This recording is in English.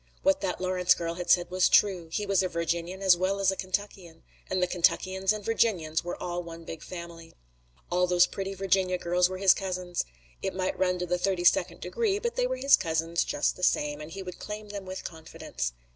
What that Lawrence girl had said was true. He was a Virginian as well as a Kentuckian, and the Kentuckians and Virginians were all one big family. All those pretty Virginia girls were his cousins. It might run to the thirty second degree, but they were his cousins just the same, and he would claim them with confidence.